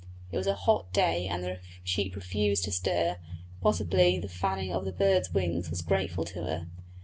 It was a hot day and the sheep refused to stir; possibly the fanning of the bird's wings was grateful to her.